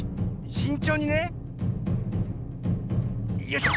しんちょうにね。よいしょ。